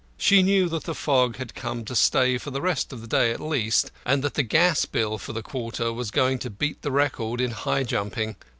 She knew that the fog had come to stay for the day at least, and that the gas bill for the quarter was going to beat the record in high jumping.